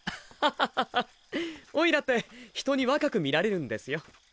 ハハハハハオイラって人に若く見られるんですよ。